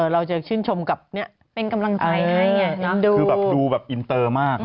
เราจะชื่นชมกับเป็นกำลังใจให้คือแบบดูแบบอินเตอร์มาก